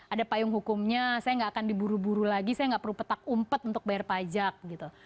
ada payung hukumnya saya nggak akan diburu buru lagi saya nggak perlu petak umpet untuk bayar pajak gitu